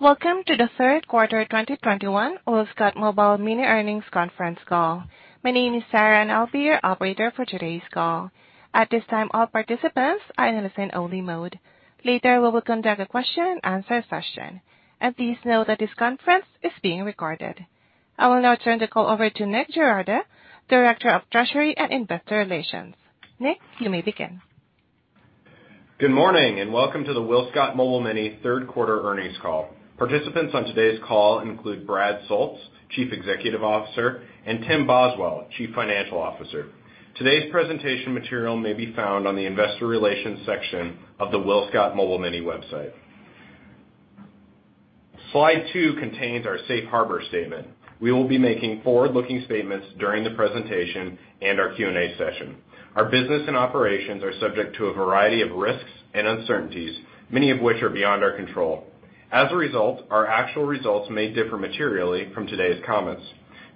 Welcome to the third quarter 2021 WillScot Mobile Mini earnings conference call. My name is Sarah, and I'll be your operator for today's call. At this time, all participants are in listen-only mode. Later, we will conduct a question and answer session. Please note that this conference is being recorded. I will now turn the call over to Nick Girardi, Director of Treasury and Investor Relations. Nick, you may begin. Good morning, and welcome to the WillScot Mobile Mini third quarter earnings call. Participants on today's call include Brad Soultz, Chief Executive Officer, and Tim Boswell, Chief Financial Officer. Today's presentation material may be found on the investor relations section of the WillScot Mobile Mini website. Slide two contains our safe harbor statement. We will be making forward-looking statements during the presentation and our Q&A session. Our business and operations are subject to a variety of risks and uncertainties, many of which are beyond our control. As a result, our actual results may differ materially from today's comments.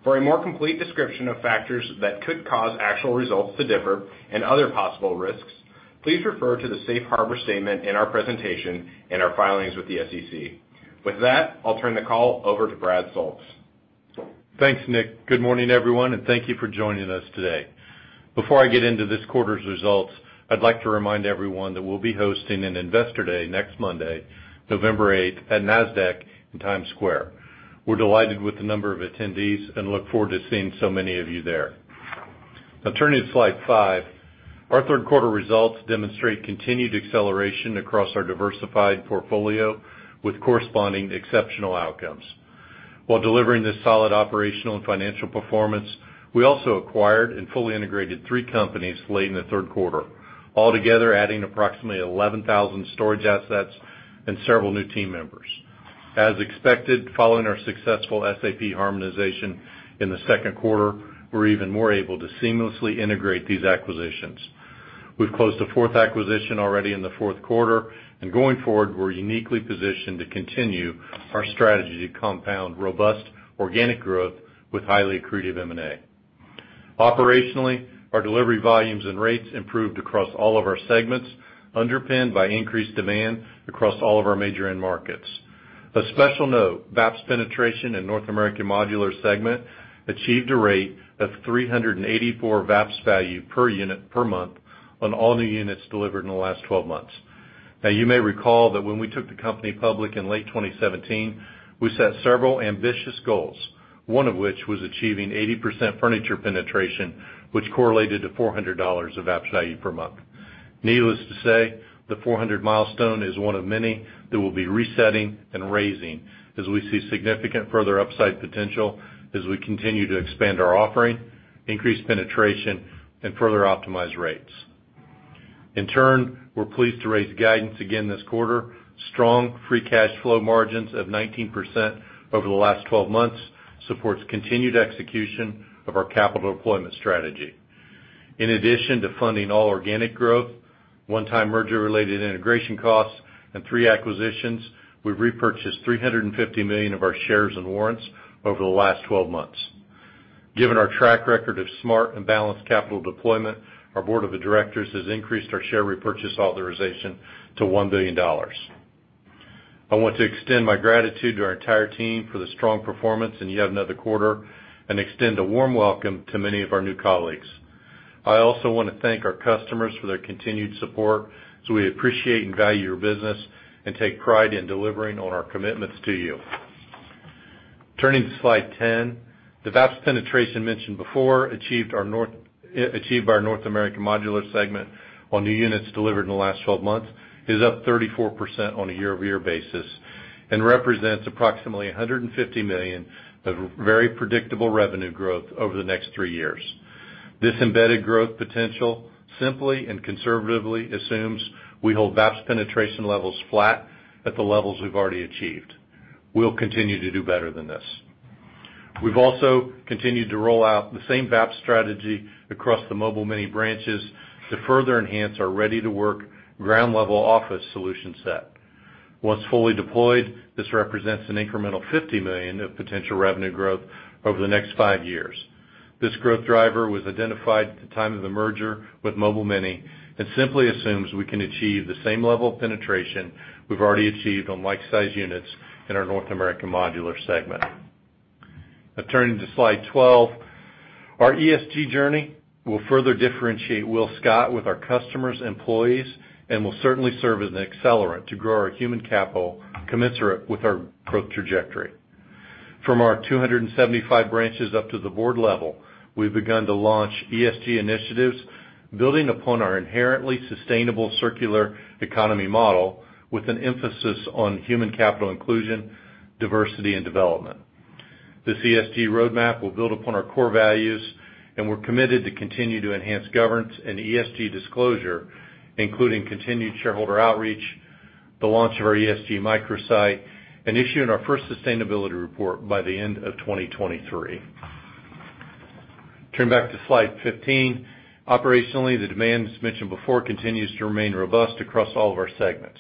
For a more complete description of factors that could cause actual results to differ and other possible risks, please refer to the safe harbor statement in our presentation and our filings with the SEC. With that, I'll turn the call over to Brad Soultz. Thanks, Nick. Good morning, everyone, and thank you for joining us today. Before I get into this quarter's results, I'd like to remind everyone that we'll be hosting an Investor Day next Monday, November eighth, at Nasdaq in Times Square. We're delighted with the number of attendees and look forward to seeing so many of you there. Now turning to slide five. Our third quarter results demonstrate continued acceleration across our diversified portfolio with corresponding exceptional outcomes. While delivering this solid operational and financial performance, we also acquired and fully integrated three companies late in the third quarter, altogether adding approximately 11,000 storage assets and several new team members. As expected, following our successful SAP harmonization in the second quarter, we're even more able to seamlessly integrate these acquisitions. We've closed a fourth acquisition already in the fourth quarter. Going forward, we're uniquely positioned to continue our strategy to compound robust organic growth with highly accretive M&A. Operationally, our delivery volumes and rates improved across all of our segments, underpinned by increased demand across all of our major end markets. Of special note, VAPS penetration in North American Modular segment achieved a rate of 384 VAPS value per unit per month on all new units delivered in the last 12 months. Now you may recall that when we took the company public in late 2017, we set several ambitious goals, one of which was achieving 80% furniture penetration, which correlated to $400 of VAPS value per month. Needless to say, the 400 milestone is one of many that we'll be resetting and raising as we see significant further upside potential as we continue to expand our offering, increase penetration, and further optimize rates. In turn, we're pleased to raise guidance again this quarter. Strong free cash flow margins of 19% over the last 12 months supports continued execution of our capital deployment strategy. In addition to funding all organic growth, one-time merger-related integration costs, and 3 acquisitions, we've repurchased $350 million of our shares and warrants over the last 12 months. Given our track record of smart and balanced capital deployment, our board of directors has increased our share repurchase authorization to $1 billion. I want to extend my gratitude to our entire team for the strong performance in yet another quarter and extend a warm welcome to many of our new colleagues. I also wanna thank our customers for their continued support, so we appreciate and value your business and take pride in delivering on our commitments to you. Turning to slide 10. The VAPS penetration mentioned before, achieved by our North American Modular segment on new units delivered in the last 12 months, is up 34% on a year-over-year basis and represents approximately $150 million of very predictable revenue growth over the next three years. This embedded growth potential simply and conservatively assumes we hold VAPS penetration levels flat at the levels we've already achieved. We'll continue to do better than this. We've also continued to roll out the same VAPS strategy across the Mobile Mini branches to further enhance our Ready to Work, ground-level office solution set. Once fully deployed, this represents an incremental $50 million of potential revenue growth over the next five years. This growth driver was identified at the time of the merger with Mobile Mini and simply assumes we can achieve the same level of penetration we've already achieved on like-sized units in our North American Modular segment. Now turning to slide 12. Our ESG journey will further differentiate WillScot with our customers, employees, and will certainly serve as an accelerant to grow our human capital commensurate with our growth trajectory. From our 275 branches up to the board level, we've begun to launch ESG initiatives, building upon our inherently sustainable circular economy model with an emphasis on human capital inclusion, diversity, and development. This ESG roadmap will build upon our core values, and we're committed to continue to enhance governance and ESG disclosure, including continued shareholder outreach, the launch of our ESG microsite, and issuing our first sustainability report by the end of 2023. Turning back to slide 15. Operationally, the demands mentioned before continues to remain robust across all of our segments.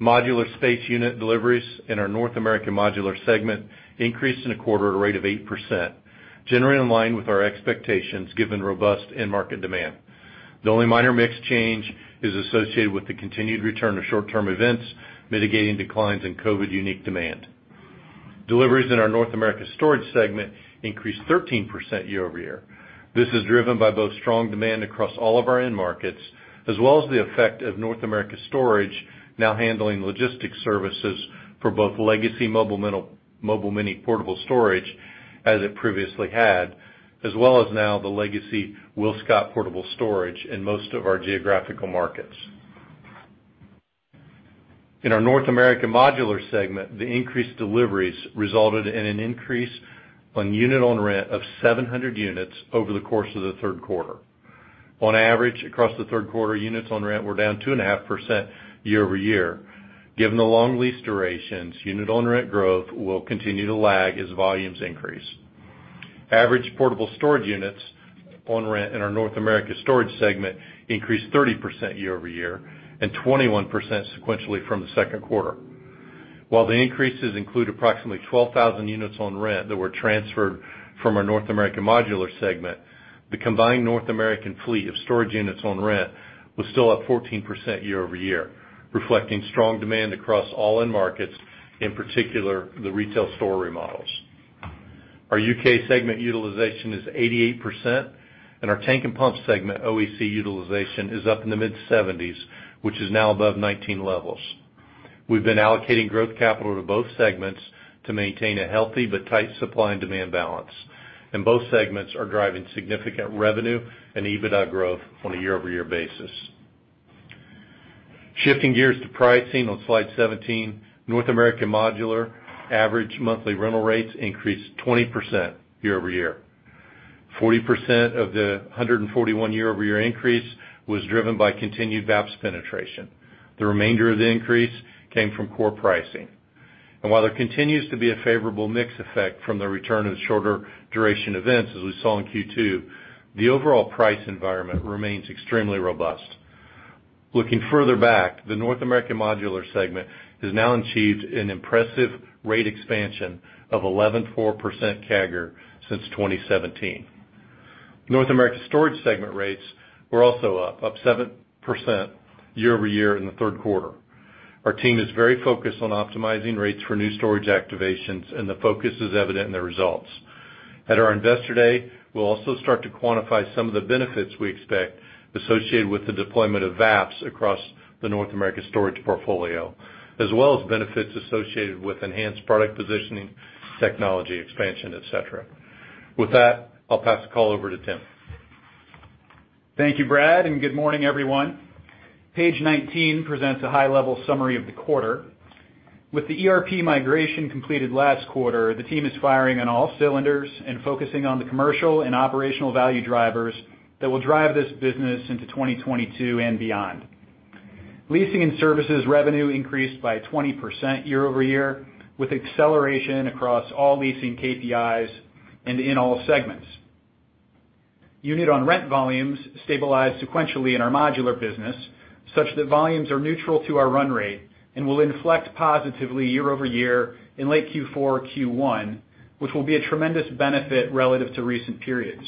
Modular space unit deliveries in our North American Modular segment increased in the quarter at a rate of 8%, generally in line with our expectations given robust end market demand. The only minor mix change is associated with the continued return of short-term events, mitigating declines in COVID-unique demand. Deliveries in our North America Storage segment increased 13% year-over-year. This is driven by both strong demand across all of our end markets, as well as the effect of North America Storage now handling logistics services for both legacy Mobile Mini Portable Storage, as it previously had, as well as now the legacy WillScot Portable Storage in most of our geographical markets. In our North American Modular segment, the increased deliveries resulted in an increase in units on rent of 700 units over the course of the third quarter. On average, across the third quarter, units on rent were down 2.5% year-over-year. Given the long lease durations, units on rent growth will continue to lag as volumes increase. Average portable storage units on rent in our North America Storage segment increased 30% year-over-year and 21% sequentially from the second quarter. While the increases include approximately 12,000 units on rent that were transferred from our North American Modular segment, the combined North American fleet of storage units on rent was still up 14% year-over-year, reflecting strong demand across all end markets, in particular, the retail store remodels. Our U.K. segment utilization is 88%, and our tank and pump segment OEC utilization is up in the mid-70s, which is now above 2019 levels. We've been allocating growth capital to both segments to maintain a healthy but tight supply and demand balance, and both segments are driving significant revenue and EBITDA growth on a year-over-year basis. Shifting gears to pricing on slide 17. North American Modular average monthly rental rates increased 20% year-over-year. Forty percent of the 141 year-over-year increase was driven by continued VAPS penetration. The remainder of the increase came from core pricing. While there continues to be a favorable mix effect from the return of the shorter duration events, as we saw in Q2, the overall price environment remains extremely robust. Looking further back, the North American Modular segment has now achieved an impressive rate expansion of 11.4% CAGR since 2017. North America Storage segment rates were also up 7% year-over-year in the third quarter. Our team is very focused on optimizing rates for new storage activations, and the focus is evident in the results. At our Investor Day, we'll also start to quantify some of the benefits we expect associated with the deployment of VAPS across the North America Storage portfolio, as well as benefits associated with enhanced product positioning, technology expansion, et cetera. With that, I'll pass the call over to Tim. Thank you, Brad, and good morning, everyone. Page 19 presents a high-level summary of the quarter. With the ERP migration completed last quarter, the team is firing on all cylinders and focusing on the commercial and operational value drivers that will drive this business into 2022 and beyond. Leasing and services revenue increased by 20% year-over-year, with acceleration across all leasing KPIs and in all segments. Unit on rent volumes stabilized sequentially in our modular business, such that volumes are neutral to our run rate and will inflect positively year-over-year in late Q4, Q1, which will be a tremendous benefit relative to recent periods.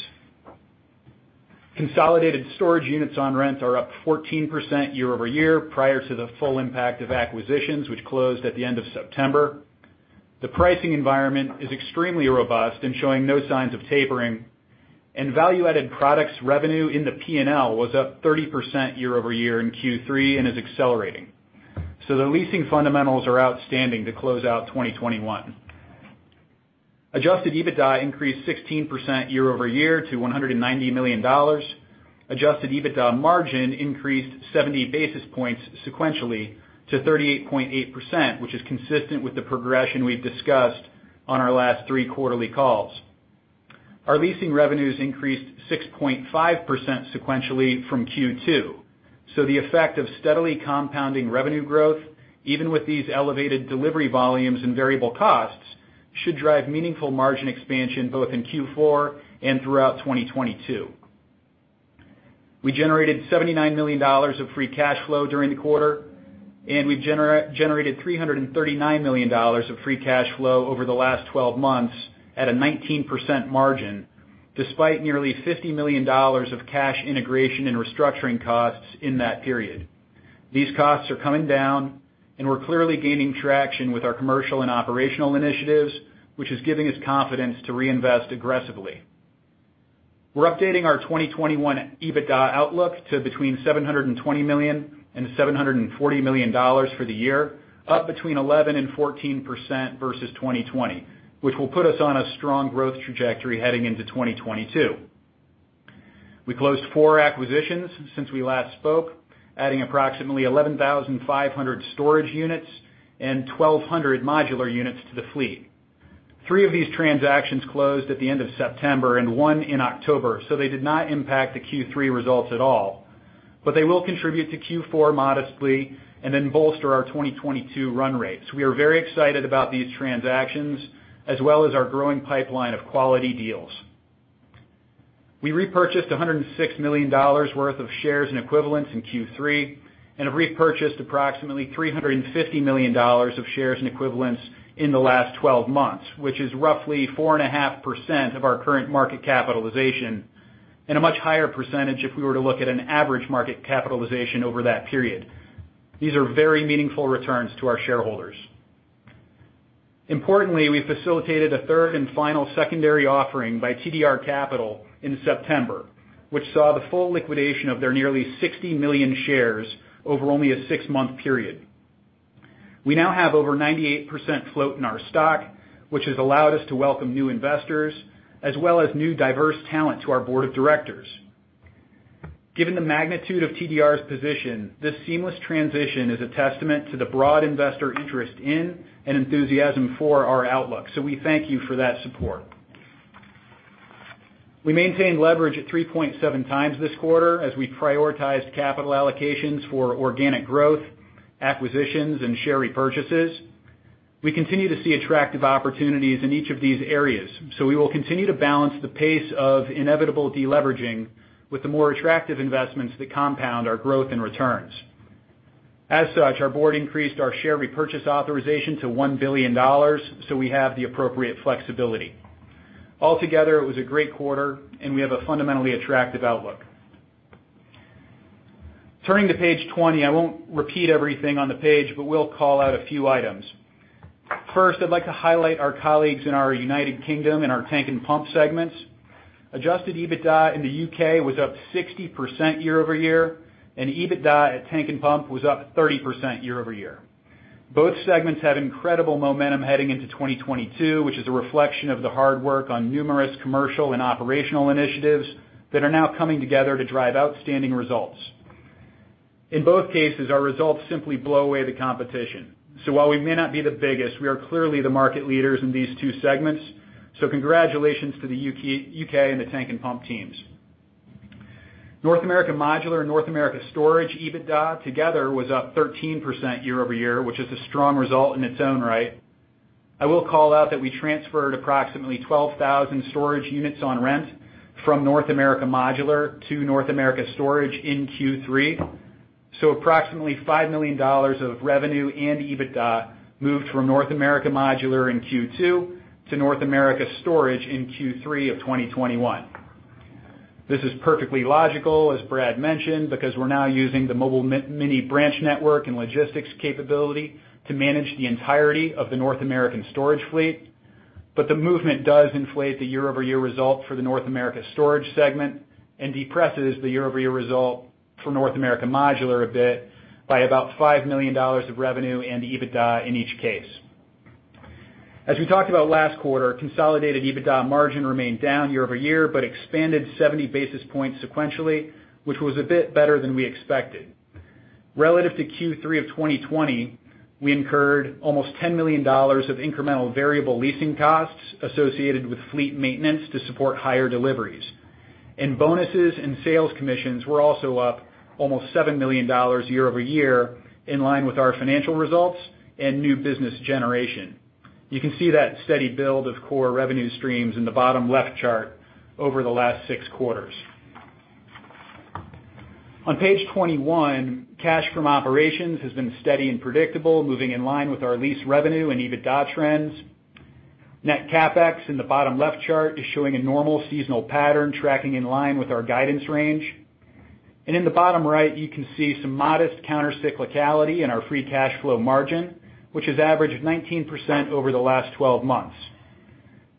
Consolidated storage units on rent are up 14% year-over-year prior to the full impact of acquisitions, which closed at the end of September. The pricing environment is extremely robust and showing no signs of tapering. Value-Added Products revenue in the P&L was up 30% year-over-year in Q3 and is accelerating. The leasing fundamentals are outstanding to close out 2021. Adjusted EBITDA increased 16% year-over-year to $190 million. Adjusted EBITDA margin increased 70 basis points sequentially to 38.8%, which is consistent with the progression we've discussed on our last three quarterly calls. Our leasing revenues increased 6.5% sequentially from Q2, so the effect of steadily compounding revenue growth, even with these elevated delivery volumes and variable costs, should drive meaningful margin expansion both in Q4 and throughout 2022. We generated $79 million of free cash flow during the quarter, and we generated $339 million of free cash flow over the last 12 months at a 19% margin, despite nearly $50 million of cash integration and restructuring costs in that period. These costs are coming down, and we're clearly gaining traction with our commercial and operational initiatives, which is giving us confidence to reinvest aggressively. We're updating our 2021 EBITDA outlook to between $720 million and $740 million for the year, up 11%-14% versus 2020, which will put us on a strong growth trajectory heading into 2022. We closed four acquisitions since we last spoke, adding approximately 11,500 storage units and 1,200 modular units to the fleet. Three of these transactions closed at the end of September and one in October, so they did not impact the Q3 results at all. They will contribute to Q4 modestly and then bolster our 2022 run rates. We are very excited about these transactions as well as our growing pipeline of quality deals. We repurchased $106 million worth of shares and equivalents in Q3, and have repurchased approximately $350 million of shares and equivalents in the last 12 months, which is roughly 4.5% of our current market capitalization and a much higher percentage if we were to look at an average market capitalization over that period. These are very meaningful returns to our shareholders. Importantly, we facilitated a third and final secondary offering by TDR Capital in September, which saw the full liquidation of their nearly 60 million shares over only a six-month period. We now have over 98% float in our stock, which has allowed us to welcome new investors as well as new diverse talent to our board of directors. Given the magnitude of TDR's position, this seamless transition is a testament to the broad investor interest in and enthusiasm for our outlook. We thank you for that support. We maintained leverage at 3.7x this quarter as we prioritized capital allocations for organic growth, acquisitions, and share repurchases. We continue to see attractive opportunities in each of these areas, we will continue to balance the pace of inevitable deleveraging with the more attractive investments that compound our growth in returns. As such, our board increased our share repurchase authorization to $1 billion, so we have the appropriate flexibility. Altogether, it was a great quarter, and we have a fundamentally attractive outlook. Turning to page 20, I won't repeat everything on the page, but we'll call out a few items. First, I'd like to highlight our colleagues in our United Kingdom and our tank and pump segments. Adjusted EBITDA in the U.K. was up 60% year-over-year, and EBITDA at tank and pump was up 30% year-over-year. Both segments have incredible momentum heading into 2022, which is a reflection of the hard work on numerous commercial and operational initiatives that are now coming together to drive outstanding results. In both cases, our results simply blow away the competition. While we may not be the biggest, we are clearly the market leaders in these two segments. Congratulations to the UK and the tank and pump teams. North America Modular and North America Storage EBITDA together was up 13% year-over-year, which is a strong result in its own right. I will call out that we transferred approximately 12,000 storage units on rent from North America Modular to North America Storage in Q3, so approximately $5 million of revenue and EBITDA moved from North America Modular in Q2 to North America Storage in Q3 of 2021. This is perfectly logical, as Brad mentioned, because we're now using the Mobile Mini branch network and logistics capability to manage the entirety of the North American storage fleet. The movement does inflate the year-over-year result for the North America Storage segment and depresses the year-over-year result for North American Modular a bit by about $5 million of revenue and EBITDA in each case. As we talked about last quarter, consolidated EBITDA margin remained down year-over-year, but expanded 70 basis points sequentially, which was a bit better than we expected. Relative to Q3 of 2020, we incurred almost $10 million of incremental variable leasing costs associated with fleet maintenance to support higher deliveries, and bonuses and sales commissions were also up almost $7 million year-over-year in line with our financial results and new business generation. You can see that steady build of core revenue streams in the bottom left chart over the last six quarters. On page 21, cash from operations has been steady and predictable, moving in line with our lease revenue and EBITDA trends. Net CapEx in the bottom left chart is showing a normal seasonal pattern tracking in line with our guidance range. In the bottom right, you can see some modest countercyclicality in our free cash flow margin, which has averaged 19% over the last 12 months.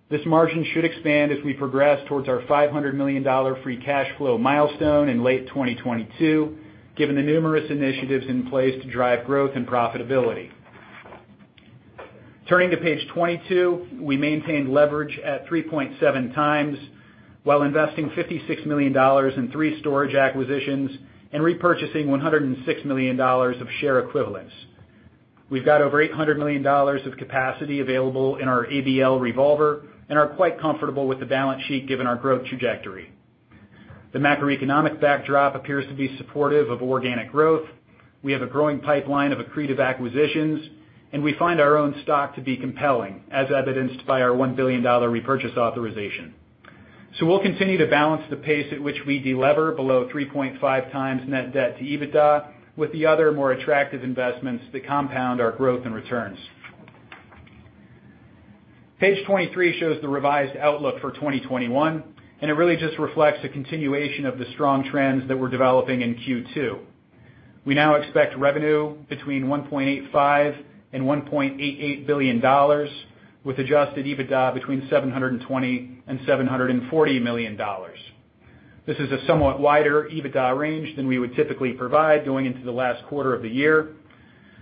This margin should expand as we progress towards our $500 million free cash flow milestone in late 2022, given the numerous initiatives in place to drive growth and profitability. Turning to page 22, we maintained leverage at 3.7x while investing $56 million in three storage acquisitions and repurchasing $106 million of share equivalents. We've got over $800 million of capacity available in our ABL revolver and are quite comfortable with the balance sheet given our growth trajectory. The macroeconomic backdrop appears to be supportive of organic growth. We have a growing pipeline of accretive acquisitions, and we find our own stock to be compelling, as evidenced by our $1 billion repurchase authorization. We'll continue to balance the pace at which we delever below 3.5x net debt to EBITDA with the other more attractive investments that compound our growth and returns. Page 23 shows the revised outlook for 2021, and it really just reflects a continuation of the strong trends that we're developing in Q2. We now expect revenue between $1.85 billion and $1.88 billion, with adjusted EBITDA between $720 million and $740 million. This is a somewhat wider EBITDA range than we would typically provide going into the last quarter of the year.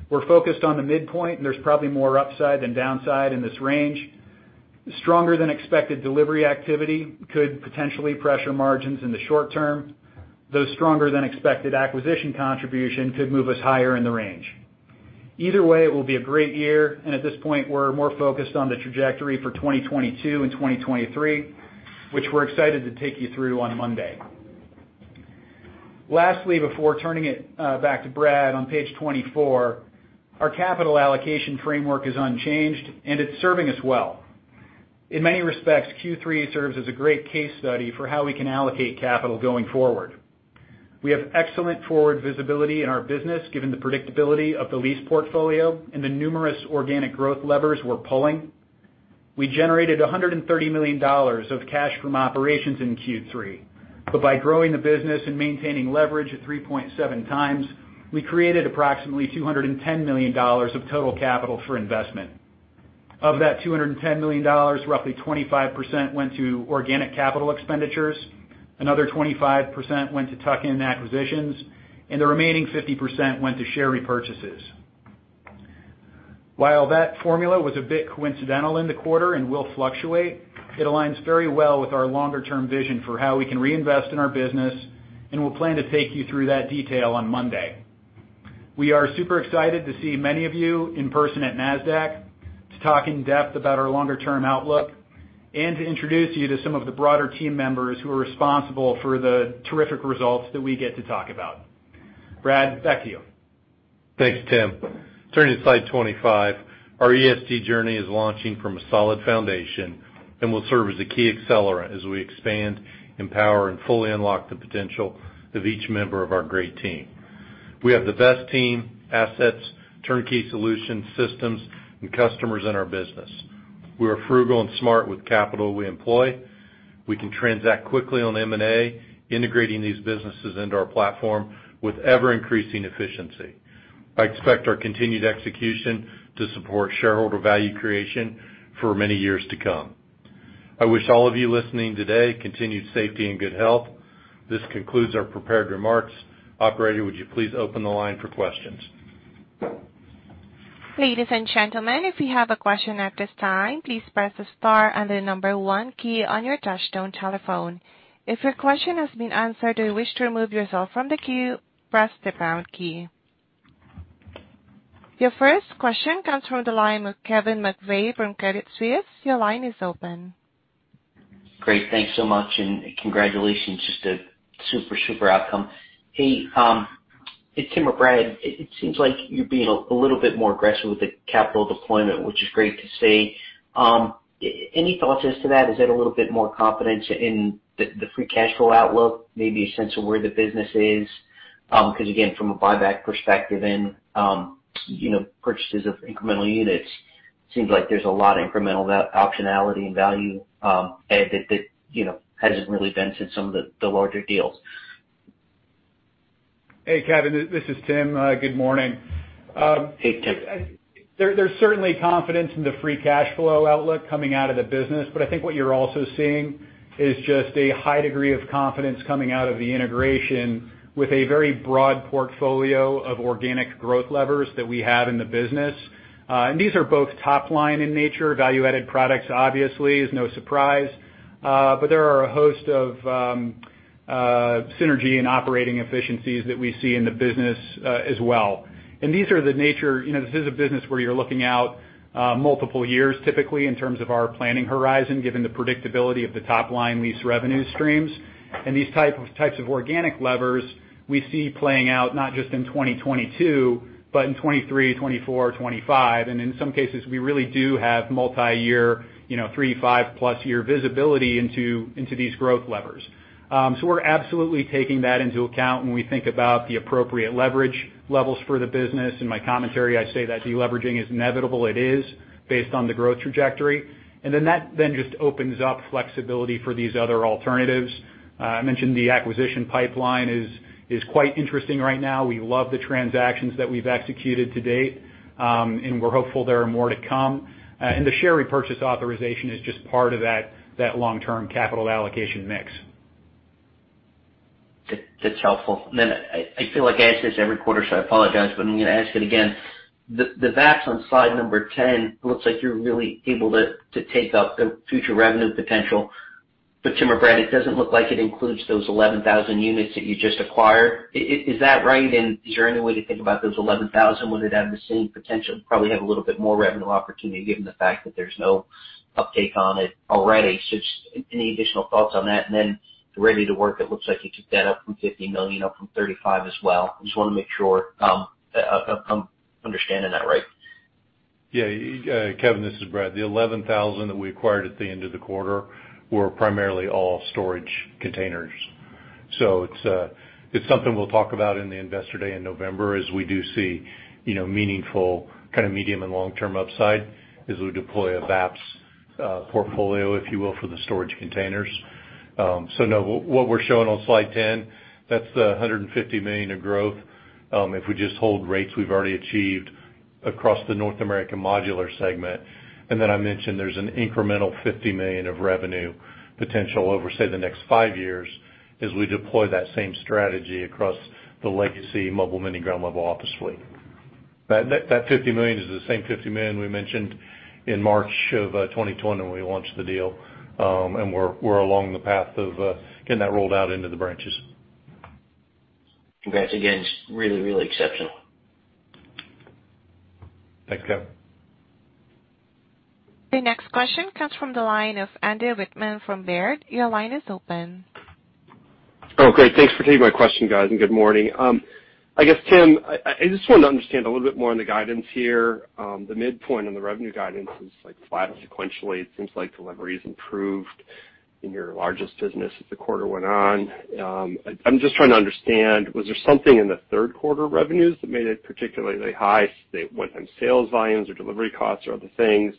We're focused on the midpoint, and there's probably more upside than downside in this range. Stronger than expected delivery activity could potentially pressure margins in the short term, though stronger than expected acquisition contribution could move us higher in the range. Either way, it will be a great year, and at this point, we're more focused on the trajectory for 2022 and 2023, which we're excited to take you through on Monday. Lastly, before turning it back to Brad, on page 24, our capital allocation framework is unchanged, and it's serving us well. In many respects, Q3 serves as a great case study for how we can allocate capital going forward. We have excellent forward visibility in our business, given the predictability of the lease portfolio and the numerous organic growth levers we're pulling. We generated $130 million of cash from operations in Q3. By growing the business and maintaining leverage at 3.7x, we created approximately $210 million of total capital for investment. Of that $210 million, roughly 25% went to organic capital expenditures, another 25% went to tuck-in acquisitions, and the remaining 50% went to share repurchases. While that formula was a bit coincidental in the quarter and will fluctuate, it aligns very well with our longer-term vision for how we can reinvest in our business, and we'll plan to take you through that detail on Monday. We are super excited to see many of you in person at Nasdaq to talk in depth about our longer-term outlook and to introduce you to some of the broader team members who are responsible for the terrific results that we get to talk about. Brad, back to you. Thanks, Tim. Turning to slide 25. Our ESG journey is launching from a solid foundation and will serve as a key accelerant as we expand, empower, and fully unlock the potential of each member of our great team. We have the best team, assets, turnkey solution systems, and customers in our business. We are frugal and smart with capital we employ. We can transact quickly on M&A, integrating these businesses into our platform with ever-increasing efficiency. I expect our continued execution to support shareholder value creation for many years to come. I wish all of you listening today continued safety and good health. This concludes our prepared remarks. Operator, would you please open the line for questions? Ladies and gentlemen, if you have a question at this time, please press the star and the number one key on your touchtone telephone. If your question has been answered or you wish to remove yourself from the queue, press the pound key. Your first question comes from the line of Kevin McVeigh from Credit Suisse. Your line is open. Great. Thanks so much, and congratulations. Just a super outcome. Hey, Tim or Brad, it seems like you're being a little bit more aggressive with the capital deployment, which is great to see. Any thoughts as to that? Is that a little bit more confidence in the free cash flow outlook, maybe a sense of where the business is? Because again, from a buyback perspective and, you know, purchases of incremental units, it seems like there's a lot of incremental value optionality and value, that you know hasn't really been in some of the larger deals. Hey, Kevin, this is Tim. Good morning. Hey, Tim. There's certainly confidence in the free cash flow outlook coming out of the business. I think what you're also seeing is just a high degree of confidence coming out of the integration with a very broad portfolio of organic growth levers that we have in the business. These are both top line in nature, value-added products obviously is no surprise. There are a host of synergy and operating efficiencies that we see in the business, as well. You know, this is a business where you're looking out multiple years, typically in terms of our planning horizon, given the predictability of the top line, these revenue streams. These types of organic levers we see playing out not just in 2022, but in 2023, 2024, 2025. In some cases, we really do have multiyear, you know, three, 5+ year visibility into these growth levers. So we're absolutely taking that into account when we think about the appropriate leverage levels for the business. In my commentary, I say that deleveraging is inevitable. It is based on the growth trajectory. That just opens up flexibility for these other alternatives. I mentioned the acquisition pipeline is quite interesting right now. We love the transactions that we've executed to date, and we're hopeful there are more to come. The share repurchase authorization is just part of that long-term capital allocation mix. That's helpful. I feel like I ask this every quarter, so I apologize, but I'm gonna ask it again. The VAPS on slide number 10 looks like you're really able to take up the future revenue potential. Tim or Brad, it doesn't look like it includes those 11,000 units that you just acquired. Is that right? Is there any way to think about those 11,000? Would it have the same potential? Probably have a little bit more revenue opportunity given the fact that there's no uptake on it already. Just any additional thoughts on that. Then Ready to Work, it looks like you kept that up from $50 million, up from $35 million as well. Just wanna make sure I'm understanding that right. Yeah. Kevin, this is Brad. The 11,000 that we acquired at the end of the quarter were primarily all storage containers. It's something we'll talk about in the Investor Day in November, as we do see, you know, meaningful kind of medium and long-term upside as we deploy a VAPS portfolio, if you will, for the storage containers. No, what we're showing on slide 10, that's the $150 million of growth, if we just hold rates we've already achieved across the North American Modular segment. I mentioned there's an incremental $50 million of revenue potential over, say, the next five years as we deploy that same strategy across the legacy Mobile Mini ground-level office suite. That $50 million is the same $50 million we mentioned in March of 2020 when we launched the deal. We're along the path of getting that rolled out into the branches. Congrats again. Really, really exceptional. Thanks, Kevin. The next question comes from the line of Andrew Wittmann from Baird. Your line is open. Oh, great. Thanks for taking my question, guys, and good morning. I guess, Tim, I just wanted to understand a little bit more on the guidance here. The midpoint on the revenue guidance is, like, flat sequentially. It seems like delivery has improved. In your largest business as the quarter went on, I'm just trying to understand, was there something in the third quarter revenues that made it particularly high? Was it one-time sales volumes or delivery costs or other things?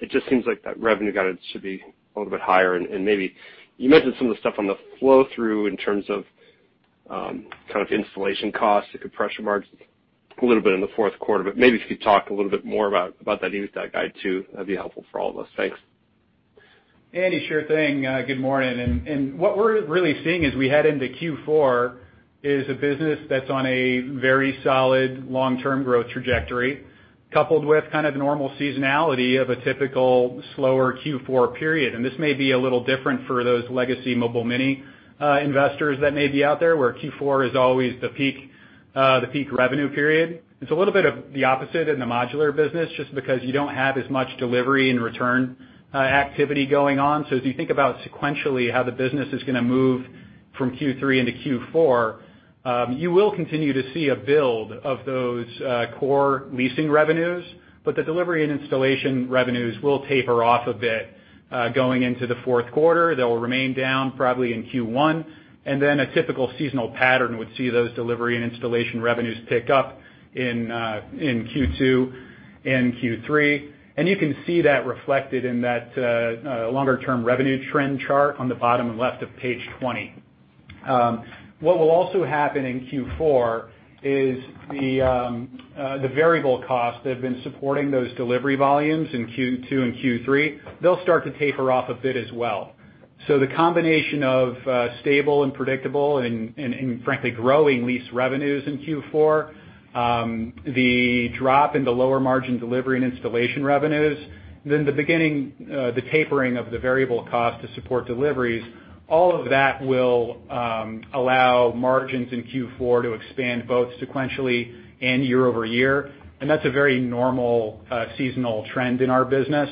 It just seems like that revenue guidance should be a little bit higher. Maybe you mentioned some of the stuff on the flow-through in terms of, kind of installation costs and compression margins a little bit in the fourth quarter. Maybe if you talk a little bit more about that unit, that guide too, that'd be helpful for all of us. Thanks. Andrew, sure thing. Good morning. What we're really seeing as we head into Q4 is a business that's on a very solid long-term growth trajectory, coupled with kind of normal seasonality of a typical slower Q4 period. This may be a little different for those legacy Mobile Mini investors that may be out there, where Q4 is always the peak revenue period. It's a little bit of the opposite in the modular business just because you don't have as much delivery and return activity going on. As you think about sequentially how the business is gonna move from Q3 into Q4, you will continue to see a build of those core leasing revenues, but the delivery and installation revenues will taper off a bit going into the fourth quarter. They'll remain down probably in Q1, and then a typical seasonal pattern would see those delivery and installation revenues pick up in Q2 and Q3. You can see that reflected in that longer-term revenue trend chart on the bottom left of page 20. What will also happen in Q4 is the variable costs that have been supporting those delivery volumes in Q2 and Q3. They'll start to taper off a bit as well. The combination of stable and predictable and frankly growing lease revenues in Q4, the drop in the lower margin delivery and installation revenues, then the beginning of the tapering of the variable cost to support deliveries, all of that will allow margins in Q4 to expand both sequentially and year-over-year. That's a very normal seasonal trend in our business.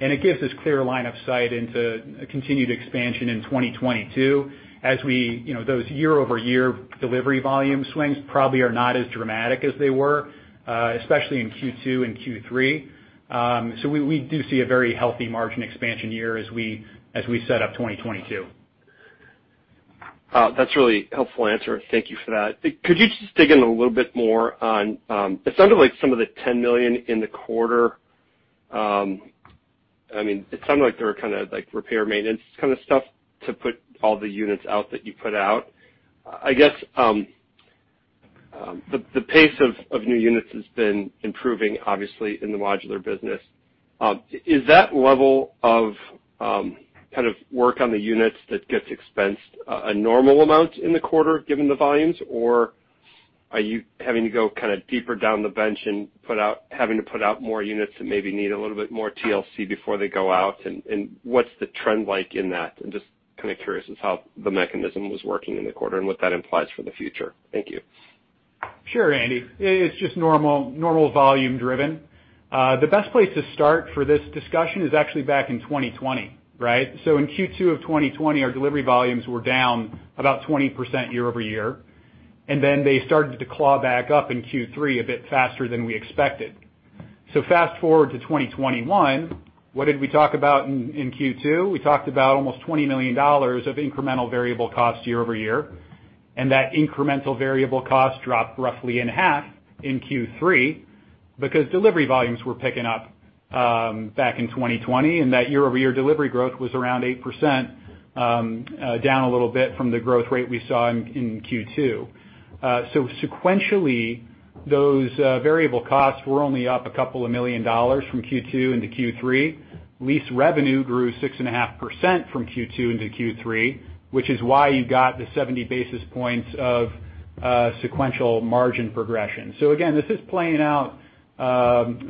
It gives us clear line of sight into a continued expansion in 2022. As we, those year-over-year delivery volume swings probably are not as dramatic as they were, especially in Q2 and Q3. We do see a very healthy margin expansion year as we set up 2022. That's a really helpful answer. Thank you for that. Could you just dig in a little bit more on, it sounded like some of the $10 million in the quarter, I mean, it sounded like there were kind of like repair and maintenance kind of stuff to put all the units out that you put out. I guess, the pace of new units has been improving, obviously, in the modular business. Is that level of kind of work on the units that gets expensed a normal amount in the quarter given the volumes? Or are you having to go kind of deeper down the bench and put out, having to put out more units that maybe need a little bit more TLC before they go out? And what's the trend like in that? I'm just kind of curious as to how the mechanism was working in the quarter and what that implies for the future. Thank you. Sure, Andrew. It's just normal volume driven. The best place to start for this discussion is actually back in 2020, right? In Q2 of 2020, our delivery volumes were down about 20% year-over-year. Then they started to claw back up in Q3 a bit faster than we expected. Fast-forward to 2021, what did we talk about in Q2? We talked about almost $20 million of incremental variable costs year-over-year. That incremental variable cost dropped roughly in half in Q3 because delivery volumes were picking up back in 2020, and that year-over-year delivery growth was around 8%, down a little bit from the growth rate we saw in Q2. Sequentially, those variable costs were only up a couple of million dollars from Q2 into Q3. Lease revenue grew 6.5% from Q2 into Q3, which is why you got the 70 basis points of sequential margin progression. Again, this is playing out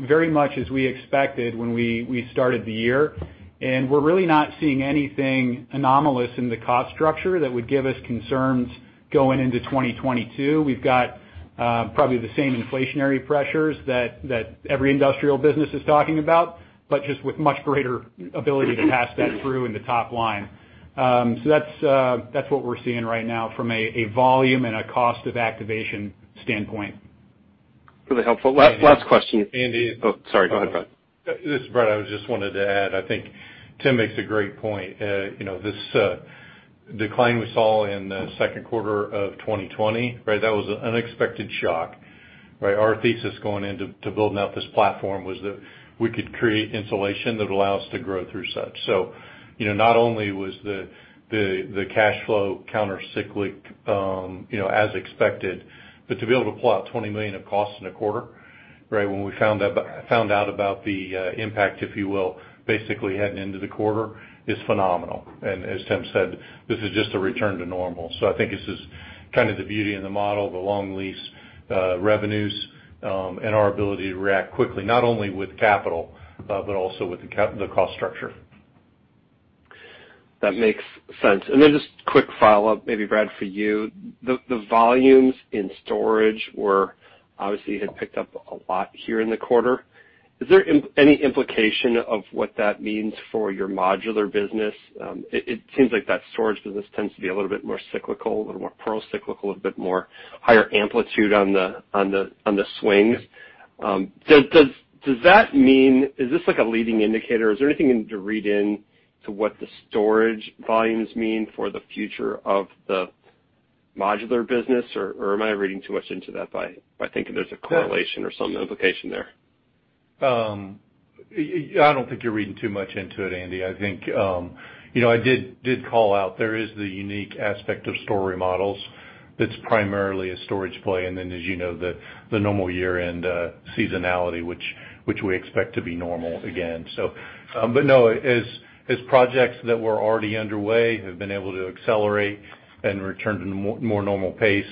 very much as we expected when we started the year, and we're really not seeing anything anomalous in the cost structure that would give us concerns going into 2022. We've got probably the same inflationary pressures that every industrial business is talking about, but just with much greater ability to pass that through in the top line. That's what we're seeing right now from a volume and a cost of activation standpoint. Really helpful. Last question. Andrew? Oh, sorry. Go ahead, Brad. This is Brad. I just wanted to add, I think Tim makes a great point. You know, this decline we saw in the second quarter of 2020, right? That was an unexpected shock, right? Our thesis going into building out this platform was that we could create insulation that allows to grow through such. You know, not only was the cash flow counter cyclic as expected, but to be able to cut $20 million of costs in a quarter, right? When we found out about the impact, if you will, basically heading into the quarter is phenomenal. As Tim said, this is just a return to normal. I think this is kind of the beauty in the model, the long lease revenues, and our ability to react quickly, not only with capital, but also with the cost structure. That makes sense. Just quick follow-up, maybe Brad, for you. The volumes in storage were obviously had picked up a lot here in the quarter. Is there any implication of what that means for your modular business? It seems like that storage business tends to be a little bit more cyclical, a little more procyclical, a bit more higher amplitude on the swings. Does that mean, is this like a leading indicator? Is there anything to read into what the storage volumes mean for the future of the modular business? Or am I reading too much into that by thinking there's a correlation or some implication there? I don't think you're reading too much into it, Andrew. I think, you know, I did call out there is the unique aspect of storage models that's primarily a storage play, and then as you know, the normal year-end seasonality, which we expect to be normal again. But no, as projects that were already underway have been able to accelerate and return to more normal pace,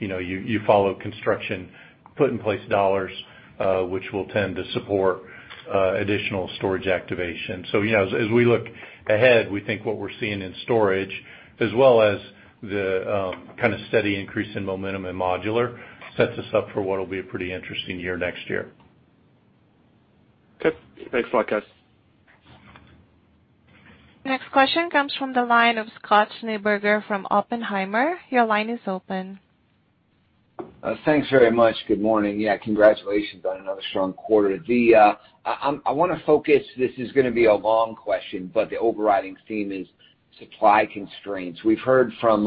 you know, you follow construction put in place dollars, which will tend to support additional storage activation. You know, as we look ahead, we think what we're seeing in storage, as well as the kind of steady increase in momentum in modular, sets us up for what'll be a pretty interesting year next year. Okay. Thanks a lot, guys. Next question comes from the line of Scott Schneeberger from Oppenheimer. Your line is open. Thanks very much. Good morning. Yeah, congratulations on another strong quarter. I wanna focus. This is gonna be a long question, but the overriding theme is supply constraints. We've heard from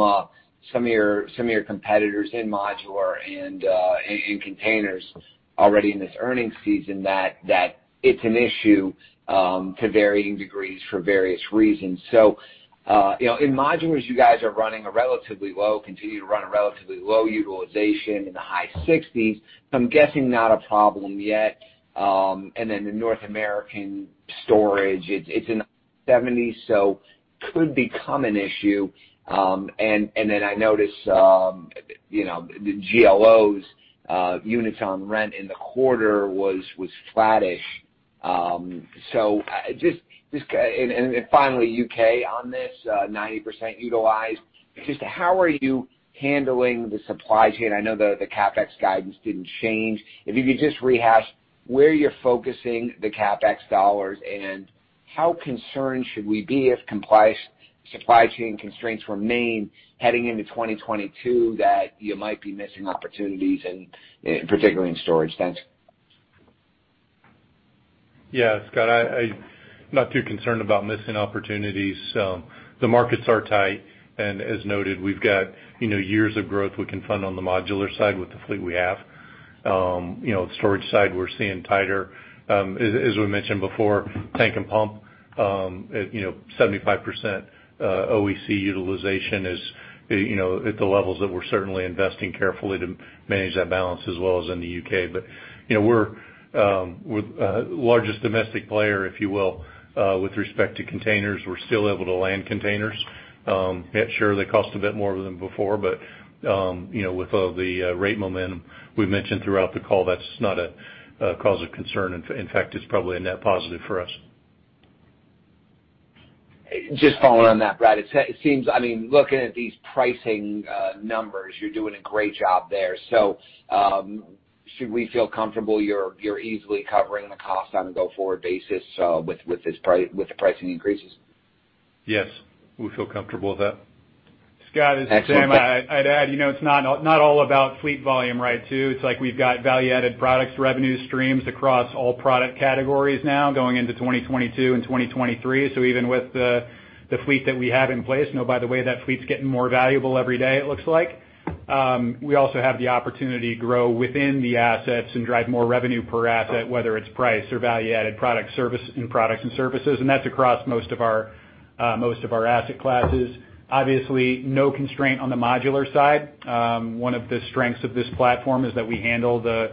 some of your competitors in modular and in containers already in this earnings season that it's an issue to varying degrees for various reasons. You know, in modulars, you guys continue to run a relatively low utilization in the high 60s%. I'm guessing not a problem yet. The North America Storage, it's in the 70s%, so could become an issue. I noticed, you know, the GLOs units on rent in the quarter was flattish. Just... Finally, U.K. on this 90% utilization. Just how are you handling the supply chain? I know the CapEx guidance didn't change. If you could just rehash where you're focusing the CapEx dollars and how concerned should we be if supply chain constraints remain heading into 2022, that you might be missing opportunities in, particularly in storage? Thanks. Yeah, Scott, I'm not too concerned about missing opportunities. The markets are tight, and as noted, we've got, you know, years of growth we can fund on the modular side with the fleet we have. You know, the storage side, we're seeing tighter. As we mentioned before, tank and pump at 75% OEC utilization is at the levels that we're certainly investing carefully to manage that balance as well as in the U.K. You know, we're the largest domestic player, if you will, with respect to containers. We're still able to land containers. Sure, they cost a bit more than before, but, you know, with the rate momentum we've mentioned throughout the call, that's not a cause of concern. In fact, it's probably a net positive for us. Just following on that, Brad, it seems I mean, looking at these pricing numbers, you're doing a great job there. Should we feel comfortable you're easily covering the cost on a go-forward basis, with the pricing increases? Yes. We feel comfortable with that. Excellent. Scott, I'd add, you know, it's not all about fleet volume, right, too. It's like we've got value-added products, revenue streams across all product categories now going into 2022 and 2023. Even with the fleet that we have in place, you know, by the way, that fleet's getting more valuable every day, it looks like. We also have the opportunity to grow within the assets and drive more revenue per asset, whether it's price or value-added products and services, and that's across most of our asset classes. Obviously, no constraint on the modular side. One of the strengths of this platform is that we handle the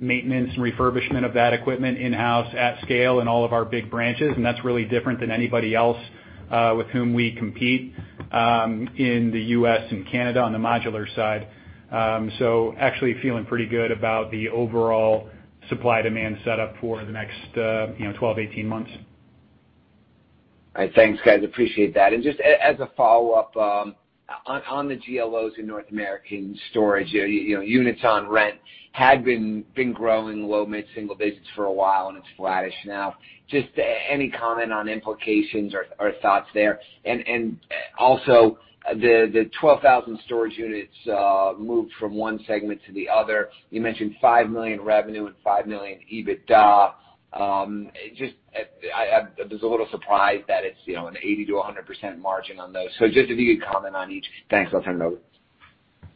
maintenance and refurbishment of that equipment in-house at scale in all of our big branches, and that's really different than anybody else, with whom we compete, in the U.S. and Canada on the modular side. Actually feeling pretty good about the overall supply-demand setup for the next, you know, 12-18 months. All right. Thanks, guys. Appreciate that. Just as a follow-up, on the GLOs in North America Storage, you know, units on rent had been growing low mid-single digits for a while, and it's flattish now. Just any comment on implications or thoughts there? Also, the 12,000 storage units moved from one segment to the other. You mentioned $5 million revenue and $5 million EBITDA. Just was a little surprised that it's, you know, an 80%-100% margin on those. Just if you could comment on each. Thanks. I'll turn it over.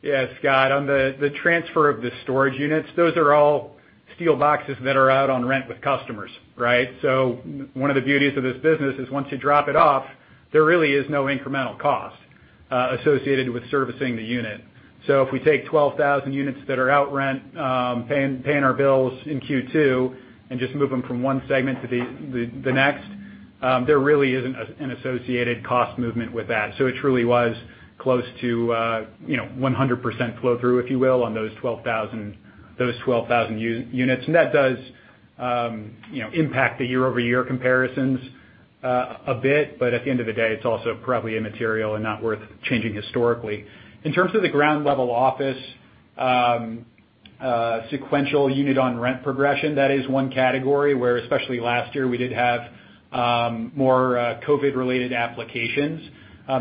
Yeah, Scott, on the transfer of the storage units, those are all steel boxes that are out on rent with customers, right? One of the beauties of this business is once you drop it off, there really is no incremental cost associated with servicing the unit. If we take 12,000 units that are out rent paying our bills in Q2 and just move them from one segment to the next, there really isn't an associated cost movement with that. It truly was close to, you know, 100% flow through, if you will, on those 12,000 units. That does, you know, impact the year-over-year comparisons a bit. At the end of the day, it's also probably immaterial and not worth changing historically. In terms of the ground-level office, sequential unit on rent progression, that is one category where especially last year, we did have more COVID-related applications.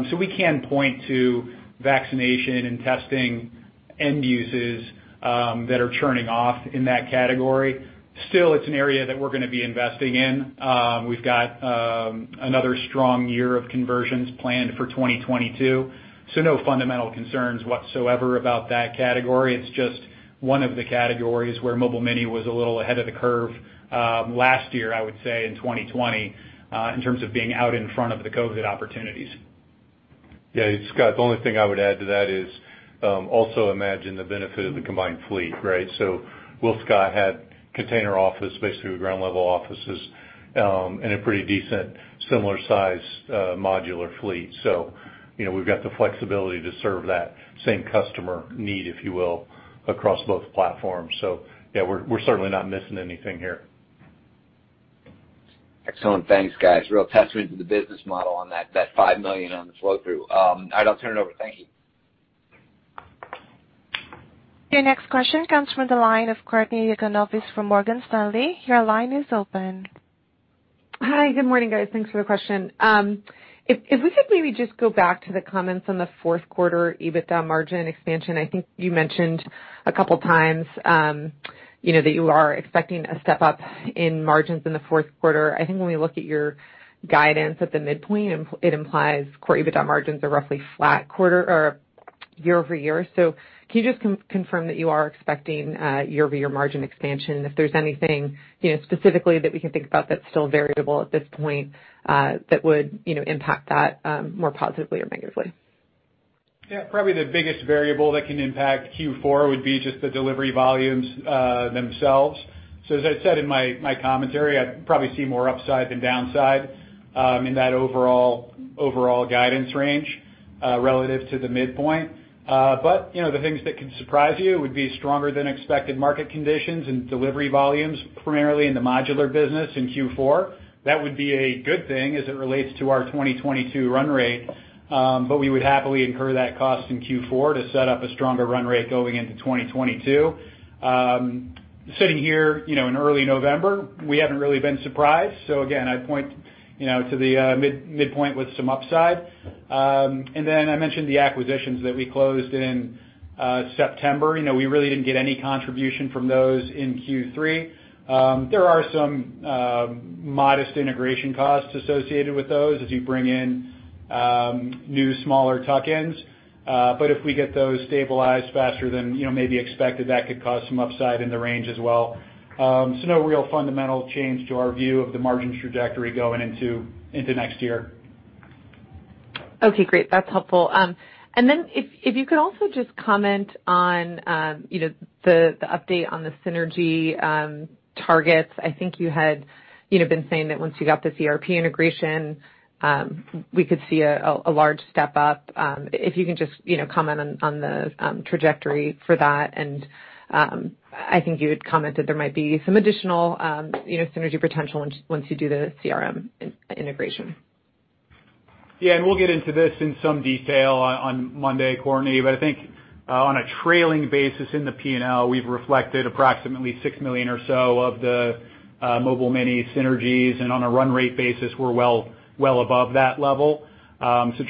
So we can point to vaccination and testing end uses that are churning off in that category. Still, it's an area that we're gonna be investing in. We've got another strong year of conversions planned for 2022, so no fundamental concerns whatsoever about that category. It's just one of the categories where Mobile Mini was a little ahead of the curve last year, I would say, in 2020, in terms of being out in front of the COVID opportunities. Yeah, Scott, the only thing I would add to that is also imagine the benefit of the combined fleet, right? Both WillScot had container offices, basically ground-level offices, and a pretty decent similar size modular fleet. You know, we've got the flexibility to serve that same customer need, if you will, across both platforms. Yeah, we're certainly not missing anything here. Excellent. Thanks, guys. Real testament to the business model on that $5 million on the flow through. I'll turn it over. Thank you. Your next question comes from the line of Courtney Yakavonis from Morgan Stanley. Your line is open. Hi. Good morning, guys. Thanks for the question. If we could maybe just go back to the comments on the fourth quarter EBITDA margin expansion. I think you mentioned a couple times, you know, that you are expecting a step up in margins in the fourth quarter. I think when we look at your guidance at the midpoint, it implies core EBITDA margins are roughly flat quarter-over-quarter or year-over-year. Can you just confirm that you are expecting year-over-year margin expansion? If there's anything, you know, specifically that we can think about that's still variable at this point, that would, you know, impact that more positively or negatively? Yeah, probably the biggest variable that can impact Q4 would be just the delivery volumes themselves. As I said in my commentary, I probably see more upside than downside in that overall guidance range relative to the midpoint. You know, the things that could surprise you would be stronger than expected market conditions and delivery volumes, primarily in the modular business in Q4. That would be a good thing as it relates to our 2022 run rate, but we would happily incur that cost in Q4 to set up a stronger run rate going into 2022. Sitting here, you know, in early November, we haven't really been surprised. Again, I point you know to the midpoint with some upside. Then I mentioned the acquisitions that we closed in September. You know, we really didn't get any contribution from those in Q3. There are some modest integration costs associated with those as you bring in new, smaller tuck-ins. If we get those stabilized faster than you know, maybe expected, that could cause some upside in the range as well. No real fundamental change to our view of the margin trajectory going into next year. Okay, great. That's helpful. If you could also just comment on, you know, the update on the synergy targets. I think you had, you know, been saying that once you got the ERP integration, we could see a large step up. If you can just, you know, comment on the trajectory for that. I think you had commented there might be some additional, you know, synergy potential once you do the CRM integration. Yeah. We'll get into this in some detail on Monday, Courtney. I think on a trailing basis in the P&L, we've reflected approximately $6 million or so of the Mobile Mini synergies. On a run rate basis, we're well, well above that level.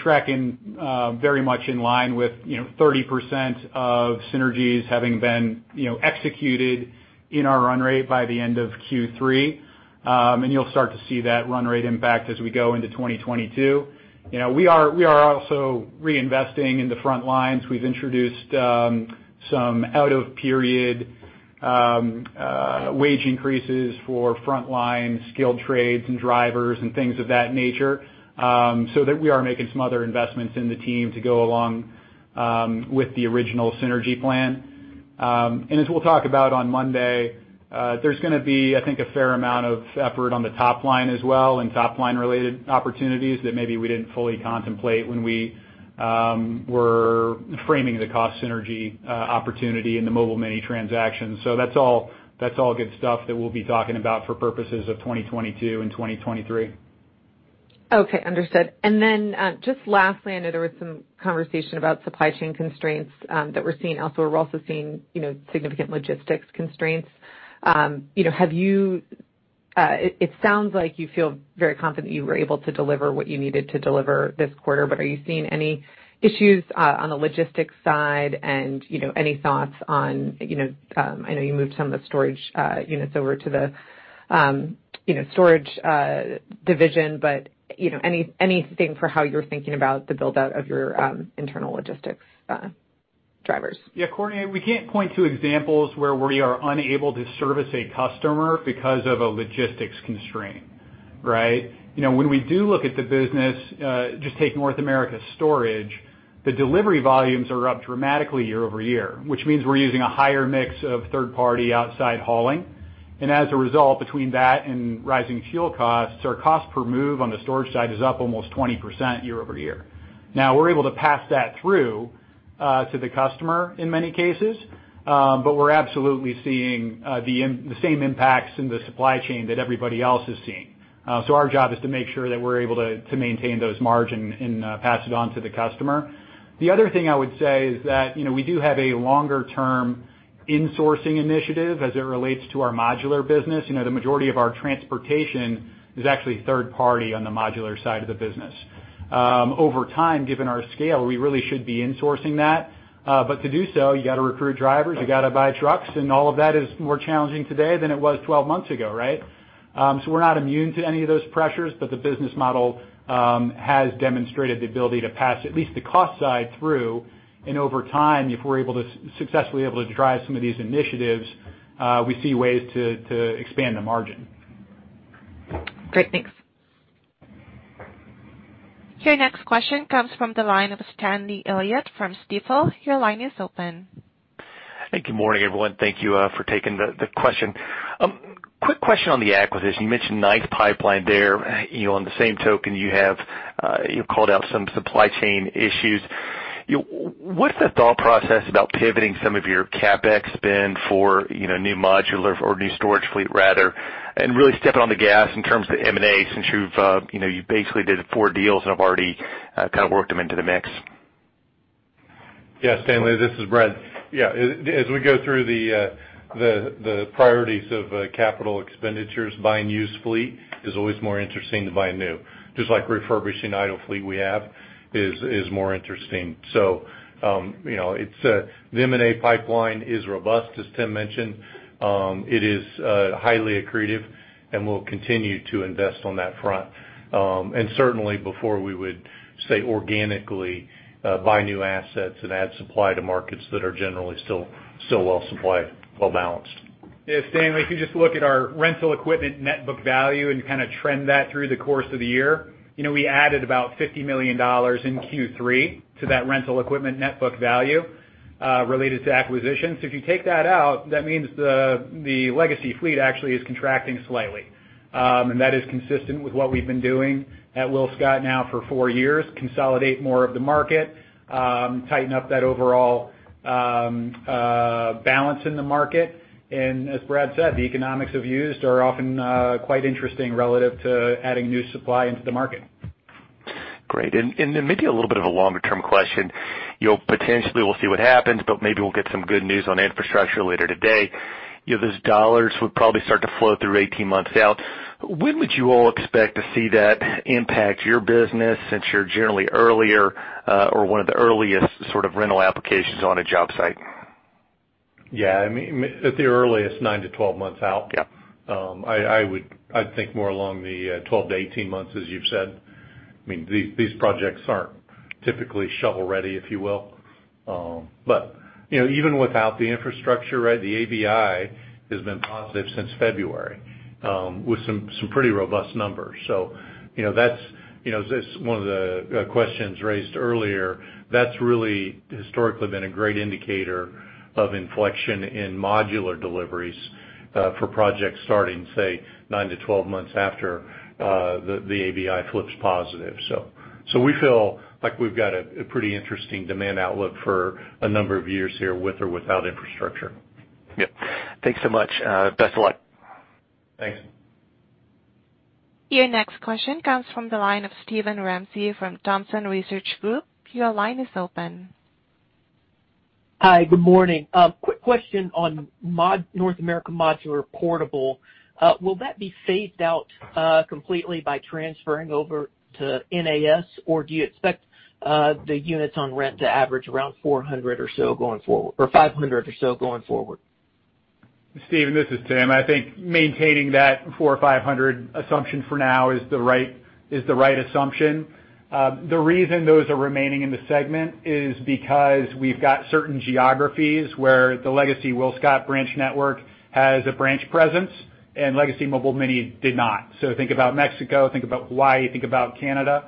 Tracking very much in line with, you know, 30% of synergies having been, you know, executed in our run rate by the end of Q3. You'll start to see that run rate impact as we go into 2022. You know, we are also reinvesting in the front lines. We've introduced some out of period wage increases for frontline skilled trades and drivers and things of that nature, so that we are making some other investments in the team to go along with the original synergy plan. As we'll talk about on Monday, there's gonna be, I think, a fair amount of effort on the top line as well and top line related opportunities that maybe we didn't fully contemplate when we were framing the cost synergy opportunity in the Mobile Mini transaction. That's all good stuff that we'll be talking about for purposes of 2022 and 2023. Okay, understood. Then, just lastly, I know there was some conversation about supply chain constraints that we're seeing elsewhere. We're also seeing, you know, significant logistics constraints. You know, it sounds like you feel very confident you were able to deliver what you needed to deliver this quarter, but are you seeing any issues on the logistics side? You know, any thoughts on, you know, I know you moved some of the storage units over to the, you know, storage division, but, you know, anything for how you're thinking about the build out of your internal logistics drivers? Yeah, Courtney, we can't point to examples where we are unable to service a customer because of a logistics constraint, right? You know, when we do look at the business, just take North America Storage, the delivery volumes are up dramatically year-over-year, which means we're using a higher mix of third-party outside hauling. As a result, between that and rising fuel costs, our cost per move on the storage side is up almost 20% year-over-year. Now, we're able to pass that through to the customer in many cases, but we're absolutely seeing the same impacts in the supply chain that everybody else is seeing. Our job is to make sure that we're able to maintain those margin and pass it on to the customer. The other thing I would say is that, you know, we do have a longer term insourcing initiative as it relates to our modular business. You know, the majority of our transportation is actually third party on the modular side of the business. Over time, given our scale, we really should be insourcing that. But to do so, you got to recruit drivers, you got to buy trucks, and all of that is more challenging today than it was 12 months ago, right? So we're not immune to any of those pressures, but the business model has demonstrated the ability to pass at least the cost side through. Over time, if we're able to successfully drive some of these initiatives, we see ways to expand the margin. Great. Thanks. Your next question comes from the line of Stanley Elliott from Stifel. Your line is open. Hey, good morning, everyone. Thank you for taking the question. Quick question on the acquisition. You mentioned nice pipeline there. You know, on the same token, you have you called out some supply chain issues. What's the thought process about pivoting some of your CapEx spend for, you know, new modular or new storage fleet, rather, and really stepping on the gas in terms of M&A, since you've, you know, you basically did four deals and have already kind of worked them into the mix? Yes, Stanley, this is Brad. Yeah. As we go through the priorities of capital expenditures, buying used fleet is always more interesting than buying new. Just like refurbishing idle fleet we have is more interesting. You know, it's the M&A pipeline is robust, as Tim mentioned. It is highly accretive, and we'll continue to invest on that front. Certainly before we would say organically buy new assets and add supply to markets that are generally still well supplied, well balanced. Yes, Stanley, if you just look at our rental equipment net book value and kind of trend that through the course of the year, you know, we added about $50 million in Q3 to that rental equipment net book value related to acquisitions. If you take that out, that means the legacy fleet actually is contracting slightly. That is consistent with what we've been doing at WillScot now for four years, consolidate more of the market, tighten up that overall balance in the market. As Brad said, the economics of used are often quite interesting relative to adding new supply into the market. Great. Maybe a little bit of a longer term question. You know, potentially we'll see what happens, but maybe we'll get some good news on infrastructure later today. You know, those dollars would probably start to flow through 18 months out. When would you all expect to see that impact your business since you're generally earlier or one of the earliest sort of rental applications on a job site? Yeah. I mean, at the earliest, nine-12 months out. Yeah. I would think more along the 12-18 months, as you've said. I mean, these projects aren't typically shovel-ready, if you will. You know, even without the infrastructure, right, the ABI has been positive since February with some pretty robust numbers. You know, that's this one of the questions raised earlier, that's really historically been a great indicator of inflection in modular deliveries for projects starting, say, nine-12 months after the ABI flips positive. We feel like we've got a pretty interesting demand outlook for a number of years here with or without infrastructure. Yeah. Thanks so much. Best of luck. Thanks. Your next question comes from the line of Steven Ramsey from Thompson Research Group. Your line is open. Hi, good morning. Quick question on North American Modular portable. Will that be phased out completely by transferring over to NAS, or do you expect the units on rent to average around 400 or so going forward, or 500 or so going forward? Steven, this is Tim. I think maintaining that 400 or 500 assumption for now is the right assumption. The reason those are remaining in the segment is because we've got certain geographies where the legacy WillScot branch network has a branch presence and legacy Mobile Mini did not. So think about Mexico, think about Hawaii, think about Canada.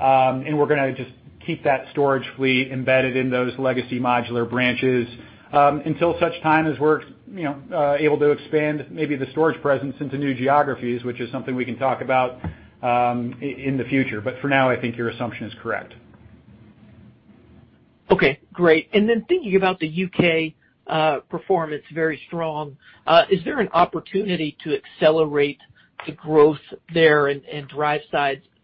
We're gonna just keep that storage fleet embedded in those legacy modular branches, until such time as we're, you know, able to expand maybe the storage presence into new geographies, which is something we can talk about, in the future. For now, I think your assumption is correct. Okay, great. Then thinking about the U.K. performance, very strong, is there an opportunity to accelerate the growth there and drive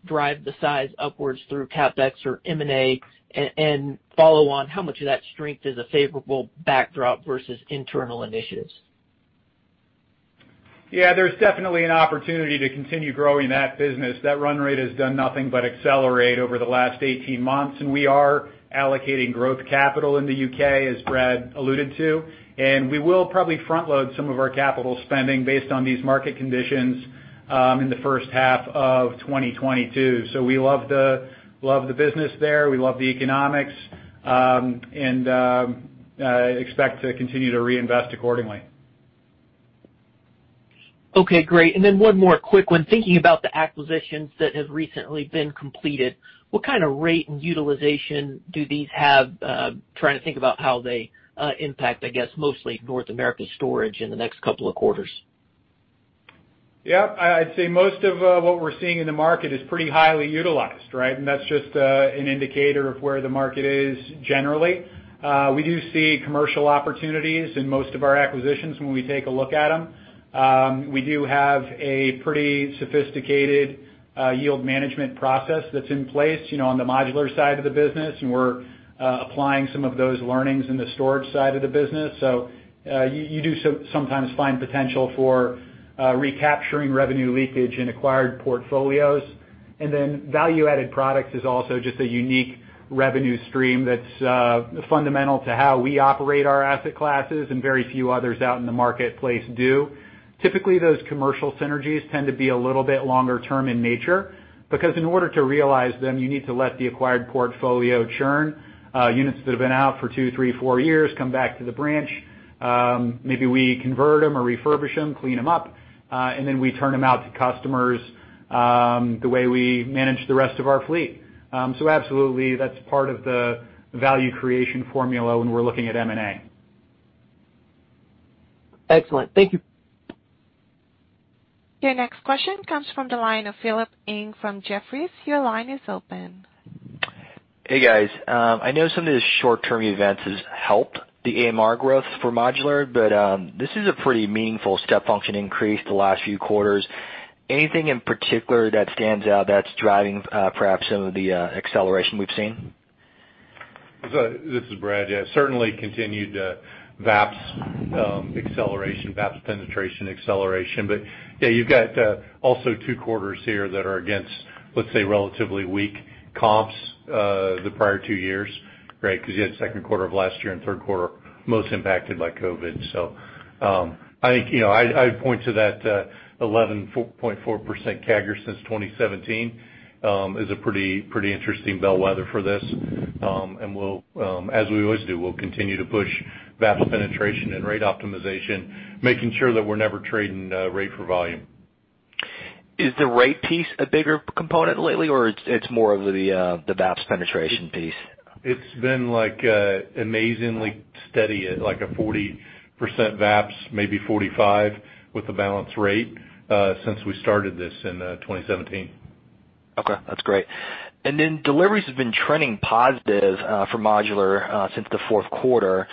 the size upwards through CapEx or M&A? And follow on, how much of that strength is a favorable backdrop versus internal initiatives? Yeah, there's definitely an opportunity to continue growing that business. That run rate has done nothing but accelerate over the last 18 months, and we are allocating growth capital in the U.K., as Brad alluded to. We will probably front-load some of our capital spending based on these market conditions in the first half of 2022. We love the business there, we love the economics, and expect to continue to reinvest accordingly. Okay, great. One more quick one. Thinking about the acquisitions that have recently been completed, what kind of rate and utilization do these have? Trying to think about how they impact, I guess, mostly North America Storage in the next couple of quarters. Yeah. I'd say most of what we're seeing in the market is pretty highly utilized, right? That's just an indicator of where the market is generally. We do see commercial opportunities in most of our acquisitions when we take a look at them. We do have a pretty sophisticated yield management process that's in place, you know, on the modular side of the business, and we're applying some of those learnings in the storage side of the business. You sometimes find potential for recapturing revenue leakage in acquired portfolios. Value-Added Products is also just a unique revenue stream that's fundamental to how we operate our asset classes and very few others out in the marketplace do. Typically, those commercial synergies tend to be a little bit longer term in nature because in order to realize them, you need to let the acquired portfolio churn, units that have been out for two, three, four years come back to the branch. Maybe we convert them or refurbish them, clean them up, and then we turn them out to customers, the way we manage the rest of our fleet. Absolutely, that's part of the value creation formula when we're looking at M&A. Excellent. Thank you. Your next question comes from the line of Philip Ng from Jefferies. Your line is open. Hey, guys. I know some of the short-term events has helped the AMR growth for modular, but this is a pretty meaningful step function increase the last few quarters. Anything in particular that stands out that's driving perhaps some of the acceleration we've seen? This is Brad. Yeah, certainly continued VAPS acceleration, VAPS penetration acceleration. Yeah, you've got also two quarters here that are against, let's say, relatively weak comps, the prior two years, right? Because you had second quarter of last year and third quarter most impacted by COVID. I, you know, point to that 11.4% CAGR since 2017 is a pretty interesting bellwether for this. We'll, as we always do, we'll continue to push VAPS penetration and rate optimization, making sure that we're never trading rate for volume. Is the rate piece a bigger component lately, or it's more of the VAPS penetration piece? It's been, like, amazingly steady at, like, a 40% VAPS, maybe 45% with the balance rate, since we started this in 2017. Okay, that's great. Deliveries have been trending positive for modular since the fourth quarter.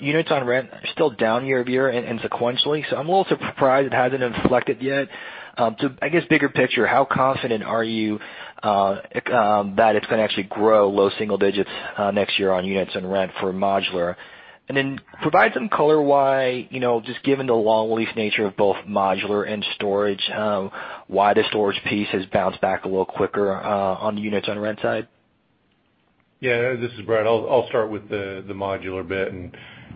Units on rent are still down year-over-year and sequentially, so I'm a little surprised it hasn't inflected yet. I guess bigger picture, how confident are you that it's gonna actually grow low single digits next year on units and rent for modular? Provide some color why, you know, just given the long lease nature of both modular and storage, why the storage piece has bounced back a little quicker on the units on rent side. Yeah, this is Brad. I'll start with the modular bit.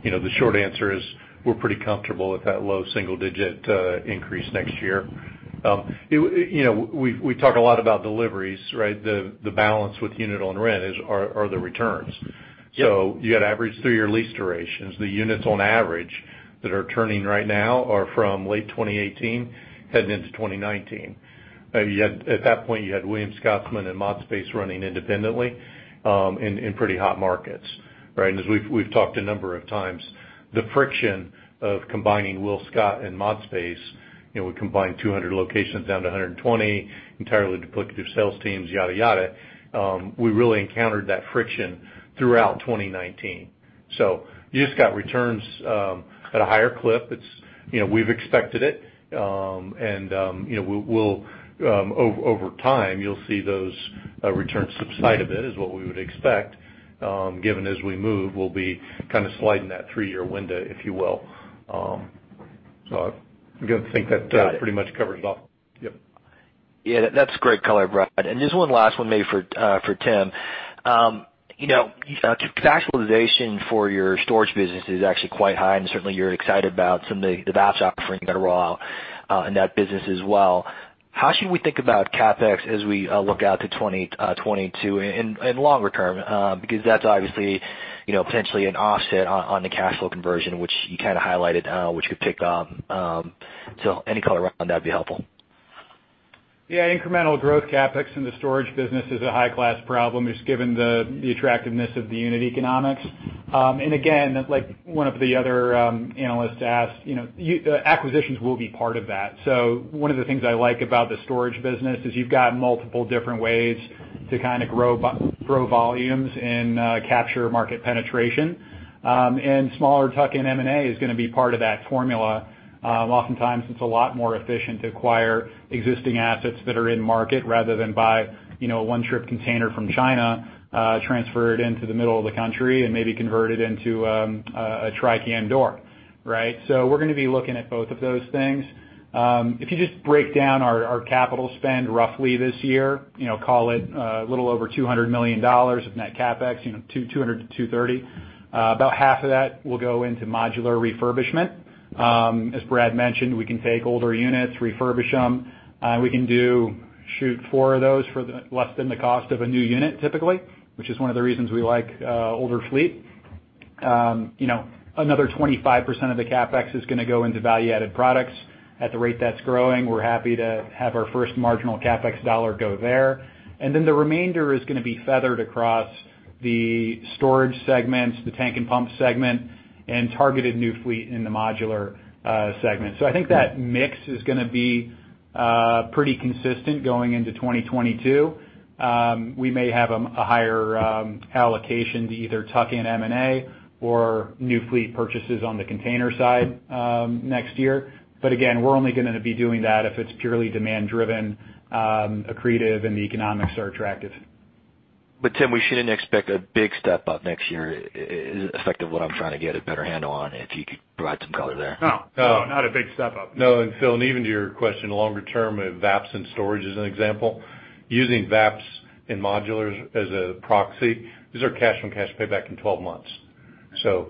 You know, the short answer is we're pretty comfortable with that low single digit increase next year. You know, we talk a lot about deliveries, right? The balance with unit on rent are the returns. Yep. You got average three-year lease durations. The units on average that are turning right now are from late 2018 heading into 2019. You had at that point Williams Scotsman and ModSpace running independently in pretty hot markets, right? As we've talked a number of times, the friction of combining WillScot and ModSpace, you know, we combined 200 locations down to 120, entirely duplicative sales teams, yada, we really encountered that friction throughout 2019. You just got returns at a higher clip. It's, you know, we've expected it. You know, we'll over time, you'll see those returns subside a bit, is what we would expect, given as we move, we'll be kinda sliding that three-year window, if you will. I think that pretty much covers it all. Yep. Yeah, that's great color, Brad. Just one last one maybe for Tim. You know, actualization for your storage business is actually quite high, and certainly you're excited about some of the VAPS offering that are all in that business as well. How should we think about CapEx as we look out to 2022 and longer term? Because that's obviously, you know, potentially an offset on the cash flow conversion, which you kinda highlighted, which we've picked up. Any color around that'd be helpful. Yeah, incremental growth CapEx in the storage business is a high-class problem, just given the attractiveness of the unit economics. Again, like one of the other analysts asked, you know, acquisitions will be part of that. One of the things I like about the storage business is you've got multiple different ways to kinda grow volumes and capture market penetration. Smaller tuck-in M&A is gonna be part of that formula. Oftentimes it's a lot more efficient to acquire existing assets that are in market rather than buy, you know, a one-trip container from China, transferred into the middle of the country and maybe convert it into a Tri-Cam door, right? We're gonna be looking at both of those things. If you just break down our capital spend roughly this year, you know, call it a little over $200 million of net CapEx, you know, $200-$230. About half of that will go into modular refurbishment. As Brad mentioned, we can take older units, refurbish them. We can do four of those for less than the cost of a new unit, typically, which is one of the reasons we like older fleet. You know, another 25% of the CapEx is gonna go into value-added products. At the rate that's growing, we're happy to have our first marginal CapEx dollar go there. Then the remainder is gonna be feathered across the storage segments, the tank and pump segment, and targeted new fleet in the modular segment. I think that mix is gonna be pretty consistent going into 2022. We may have a higher allocation to either tuck-in M&A or new fleet purchases on the container side next year. Again, we're only gonna be doing that if it's purely demand-driven, accretive and the economics are attractive. Tim, we shouldn't expect a big step up next year. Is it effective what I'm trying to get a better handle on, if you could provide some color there? No. No, not a big step up. No. Phil, and even to your question, longer term, VAPS and storage as an example, using VAPS in modular as a proxy, these are cash on cash payback in 12 months.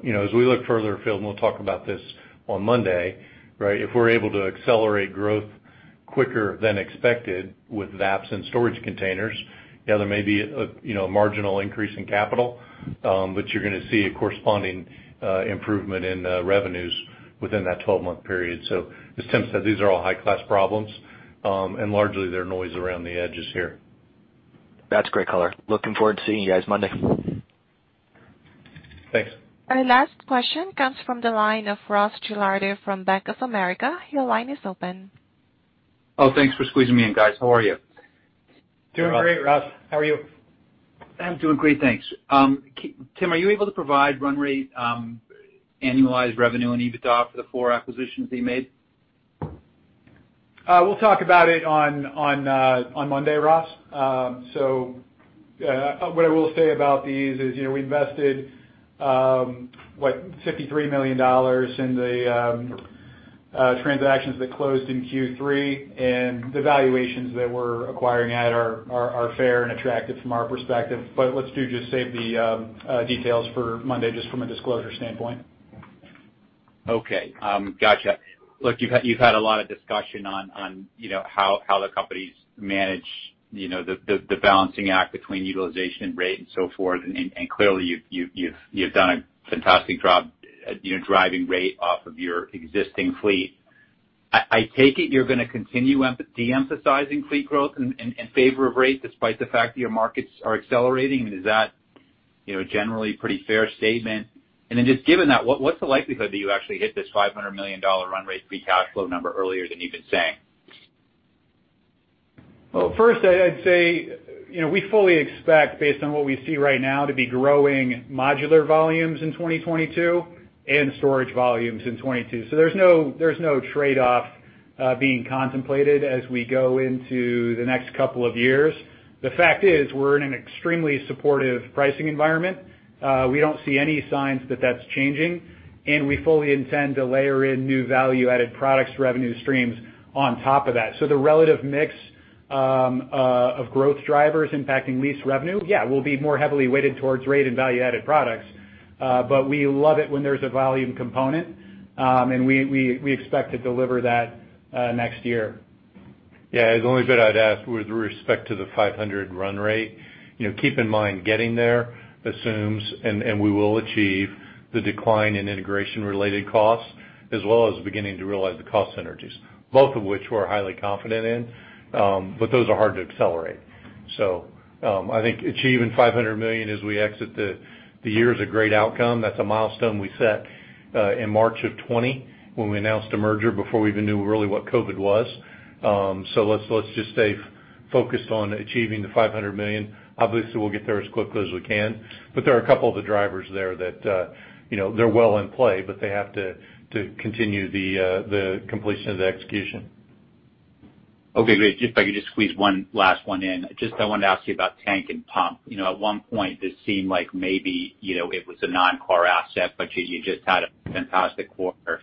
You know, as we look further, Phil, and we'll talk about this on Monday, right? If we're able to accelerate growth quicker than expected with VAPS and storage containers, yeah, there may be a, you know, a marginal increase in capital, but you're gonna see a corresponding improvement in revenues within that 12-month period. As Tim said, these are all high-class problems, and largely they're noise around the edges here. That's great color. Looking forward to seeing you guys Monday. Thanks. Our last question comes from the line of Ross Gilardi from Bank of America. Your line is open. Oh, thanks for squeezing me in, guys. How are you? Doing great, Ross. How are you? I'm doing great, thanks. Tim, are you able to provide run rate, annualized revenue and EBITDA for the four acquisitions that you made? We'll talk about it on Monday, Ross. What I will say about these is, you know, we invested $53 million in the transactions that closed in Q3, and the valuations that we're acquiring at are fair and attractive from our perspective. Let's do just save the details for Monday just from a disclosure standpoint. Okay. Gotcha. Look, you've had a lot of discussion on, you know, how the companies manage, you know, the balancing act between utilization rate and so forth. And clearly you've done a fantastic job, you know, driving rate off of your existing fleet. I take it you're gonna continue de-emphasizing fleet growth in favor of rate despite the fact that your markets are accelerating. Is that, you know, a generally pretty fair statement? And then just given that, what's the likelihood that you actually hit this $500 million run rate free cash flow number earlier than you've been saying? Well, first I'd say, you know, we fully expect based on what we see right now to be growing modular volumes in 2022 and storage volumes in 2022. There's no trade-off being contemplated as we go into the next couple of years. The fact is we're in an extremely supportive pricing environment. We don't see any signs that that's changing, and we fully intend to layer in new Value-Added Products revenue streams on top of that. The relative mix of growth drivers impacting lease revenue, yeah, will be more heavily weighted towards rate and Value-Added Products. We love it when there's a volume component. We expect to deliver that next year. Yeah. The only bit I'd add with respect to the 500 run rate, you know, keep in mind getting there assumes we will achieve the decline in integration related costs, as well as beginning to realize the cost synergies, both of which we're highly confident in. But those are hard to accelerate. I think achieving $500 million as we exit the year is a great outcome. That's a milestone we set in March of 2020 when we announced a merger before we even knew really what COVID was. So let's just stay focused on achieving the $500 million. Obviously, we'll get there as quickly as we can, but there are a couple of the drivers there that, you know, they're well in play, but they have to continue the completion of the execution. Okay, great. If I could just squeeze one last one in. Just I wanted to ask you about tank and pump. You know, at one point it seemed like maybe, you know, it was a non-core asset, but you just had a fantastic quarter.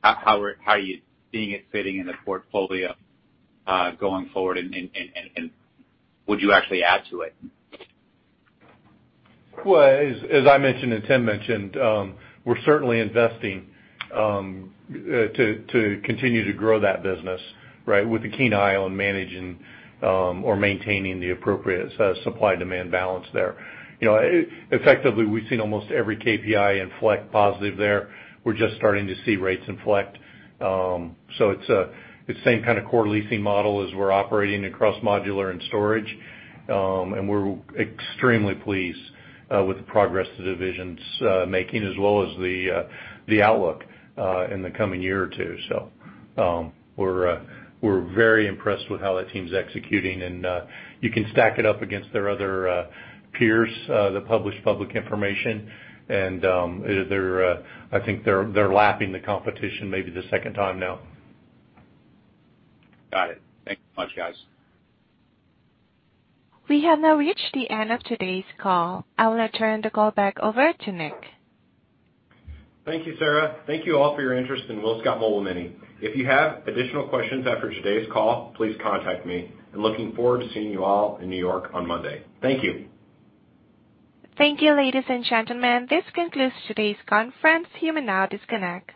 How are you seeing it fitting in the portfolio, going forward, and would you actually add to it? Well, as I mentioned and Tim mentioned, we're certainly investing to continue to grow that business, right? With a keen eye on managing or maintaining the appropriate supply-demand balance there. You know, effectively, we've seen almost every KPI inflect positive there. We're just starting to see rates inflect. It's same kind of core leasing model as we're operating across modular and storage. And we're extremely pleased with the progress the division's making as well as the outlook in the coming year or two. We're very impressed with how that team's executing and you can stack it up against their other peers that publish public information and I think they're lapping the competition maybe the second time now. Got it. Thank you much, guys. We have now reached the end of today's call. I will turn the call back over to Nick. Thank you, Sarah. Thank you all for your interest in WillScot Mobile Mini. If you have additional questions after today's call, please contact me. I'm looking forward to seeing you all in New York on Monday. Thank you. Thank you, ladies and gentlemen. This concludes today's conference. You may now disconnect.